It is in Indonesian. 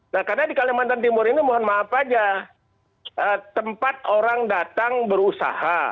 nah karena di kalimantan timur ini mohon maaf aja tempat orang datang berusaha